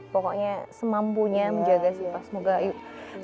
pokoknya semampunya menjaga sifat